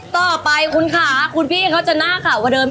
สิ่งนี้คือขาวัว